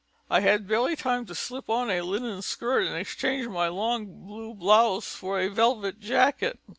"I had barely time to slip on a linen skirt and exchange my long blue blouse for a velvet jacket.